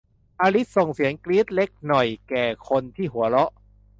อลิซส่งเสียงกรี๊ดเล็กหน่อยแก่คนที่หัวเราะ